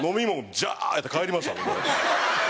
ジャーやって帰りましたもん俺。